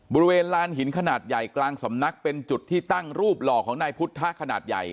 บริเวณลานหินขนาดใหญ่กลางสำนักเป็นจุดที่ตั้งรูปหล่อของนายพุทธขนาดใหญ่